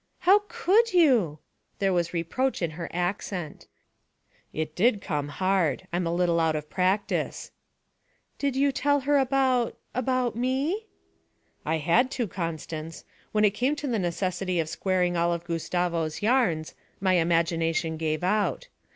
'How could you?' There was reproach in her accent. 'It did come hard; I'm a little out of practice.' 'Did you tell her about about me?' 'I had to, Constance. When it came to the necessity of squaring all of Gustavo's yarns, my imagination gave out.